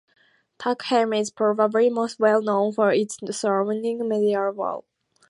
Turckheim is probably most well known for its surrounding medieval wall.